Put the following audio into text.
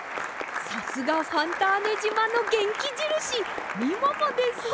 さすがファンターネじまのげんきじるしみももですね。